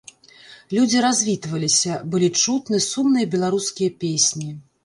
Людзі развітваліся, былі чутны сумныя беларускія песні.